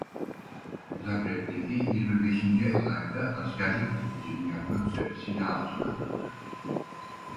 Zagreb'deki yirmi beşinci Alay'da askerlik hizmetini yapmak üzere silah altına alındı.